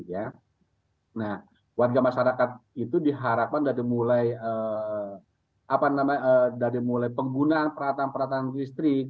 nah warga masyarakat itu diharapkan dari mulai penggunaan pelatang pelatang listrik